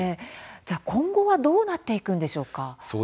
じゃあ今後はどうなっていくんでしょうか？